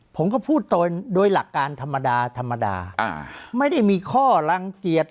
ผมก็พูดโดยหลักการธรรมดาธรรมดาไม่ได้มีข้อลังเกียจ